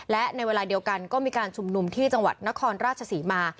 และในเวลาเดียวกันก็มีการชุมนุมที่จังหวัดนครราชศรีมา